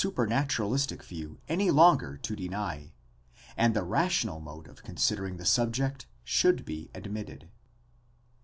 the supranaturalistic view any longer to deny, and the rational mode of con sidering the subject should be admitted.?